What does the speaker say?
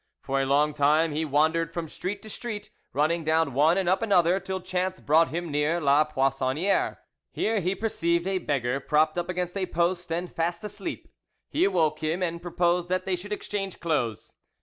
For a long time he wandered from street to street, running down one and up another, till chance brought him near La Poissonniere. Here he perceived a beggar propped against a post and fast asleep; he awoke him, and proposed that they should exchange clothes.